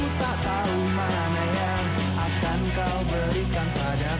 aku tak tahu mana yang akan kau berikan padaku